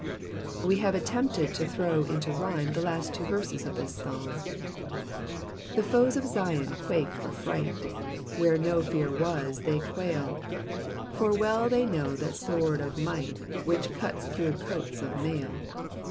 We have attempted to throw into rhyme the last two verses of this Psalm :— The foes of Zion quake for fright, Where no fear was they quail ; For well they know that sword of might Which cuia through coats of mall.